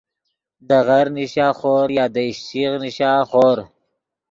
دے غر نیشا خور یا دے اِشچیغ نیشا خور